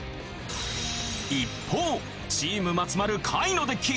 一方チーム松丸カイのデッキ。